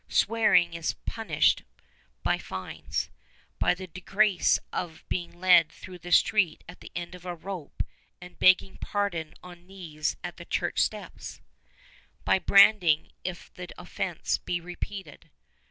Swearing is punished by fines, by the disgrace of being led through the streets at the end of a rope and begging pardon on knees at the church steps, by branding if the offense be repeated.